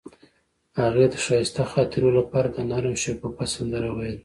هغې د ښایسته خاطرو لپاره د نرم شګوفه سندره ویله.